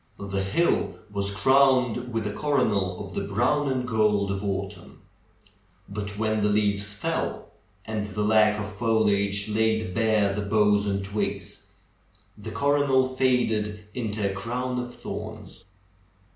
The hill was crowned with a coronal of the brown and gold of autumn. But when the leaves fell and the lack of foliage laid bare the boughs and twigs, the coro nal faded into a crown of thorns.